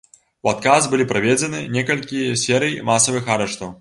У адказ былі праведзены некалькі серый масавых арыштаў.